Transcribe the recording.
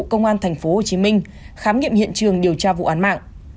công an tp hcm khám nghiệm hiện trường điều tra vụ án mạng